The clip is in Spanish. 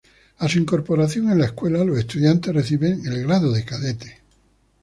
A su incorporación en la escuela, los estudiantes reciben el grado de cadetes.